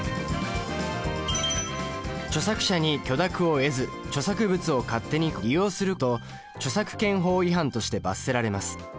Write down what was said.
著作者に許諾を得ず著作物を勝手に利用すると著作権法違反として罰せられます。